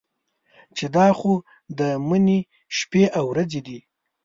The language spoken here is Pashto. چې دا خو د مني شپې او ورځې دي.